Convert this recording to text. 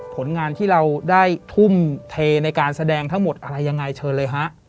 ผลงานที่เราได้ทุ่มเทในการแสดงทั้งหมดอะไรยังไงเชิญเลยฮะ